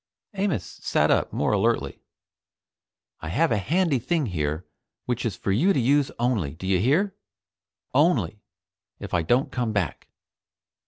Amos sat up more alertly. "I have a handy thing here which is for you to use only do you hear? only if I don't come back."